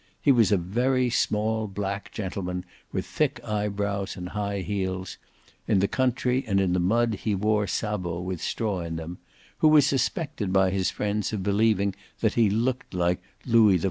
He was a very small black gentleman with thick eyebrows and high heels in the country and the mud he wore sabots with straw in them who was suspected by his friends of believing that he looked like Louis XIV.